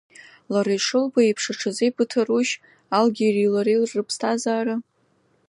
Лара ишылбо еиԥш аҽазеибыҭарушь Алгьерии лареи рыԥсҭазаара?